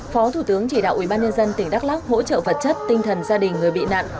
phó thủ tướng chỉ đạo ubnd tỉnh đắk lắc hỗ trợ vật chất tinh thần gia đình người bị nạn